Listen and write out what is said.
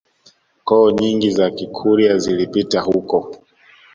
Koo nyingi za Kikurya zilipita huko